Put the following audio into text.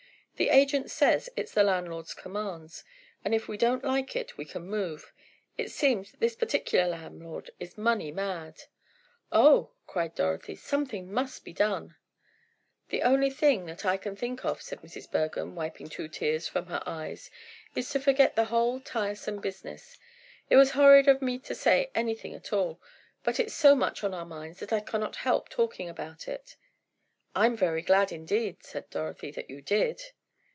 The agent says it's the landlord's commands, and if we don't like it we can move. It seems that this particular landlord is money mad!" "Oh," cried Dorothy, "something must be done!" "The only thing that I can think of," said Mrs. Bergham, wiping two tears from her eyes, "is to forget the whole tiresome business. It was horrid of me to say anything at all, but it's so much on our minds that I cannot help talking about it." "I'm very glad indeed," said Dorothy, "that you did."